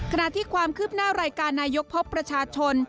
ขณะที่ความคืบหน้ารายการนายกพบประชาชน